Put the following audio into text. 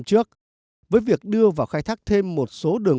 để giúp giúp giúp giúp khắc phá toàn covers